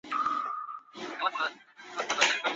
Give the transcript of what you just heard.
单叶贯众为鳞毛蕨科贯众属下的一个种。